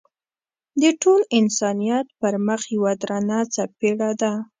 د ټول انسانیت پر مخ یوه درنه څپېړه ده.